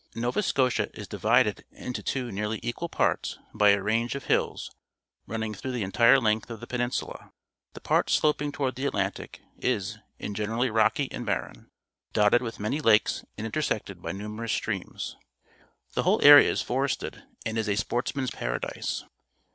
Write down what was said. — Nova Scotia i s divided into two nearly equal parts by a range of hills, running through the entire length oFthe peimisulaT The part sloping toward THe Atlantic, is, in generalj rocky jind barren, dotted with manj^ lakes and intersected by numerous sti'eams^_JThe whole area is forest ed and is a sportsman's paradi.se.